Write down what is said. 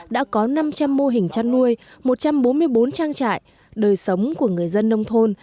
đã có năm trăm linh mô hình chăn nuôi một trăm bốn mươi bốn trang trại đời sống của người dân nông thôn